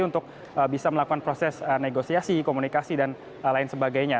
untuk bisa melakukan proses negosiasi komunikasi dan lain sebagainya